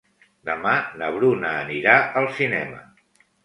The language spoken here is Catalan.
Demà na Bruna anirà al cinema.